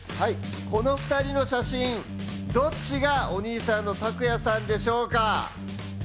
この２人の写真、どっちがお兄さんのたくやさんでしょうか？